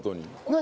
何？